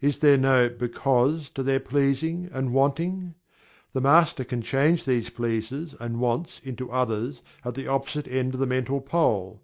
Is there no "because" to their "pleasing" and "Wanting"? The Master can change these "pleases" and "wants" into others at the opposite end of the mental pole.